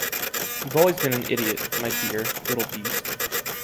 You’ve always been an idiot, my dear, little beast.